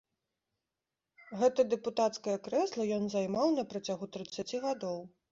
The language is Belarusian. Гэта дэпутацкае крэсла ён займаў на працягу трыццаці гадоў.